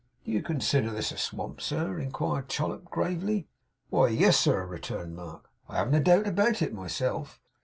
'Do you con sider this a swamp, sir?' inquired Chollop gravely. 'Why yes, sir,' returned Mark. 'I haven't a doubt about it myself.